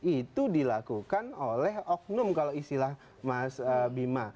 itu dilakukan oleh oknum kalau istilah mas bima